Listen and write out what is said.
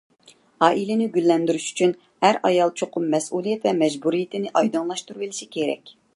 ئائىلىنى گۈللەندۈرۈش ئۈچۈن، ئەر-ئايال چوقۇم مەسئۇلىيەت ۋە مەجبۇرىيىتىنى ئايدىڭلاشتۇرۇۋېلىشى كېرەك!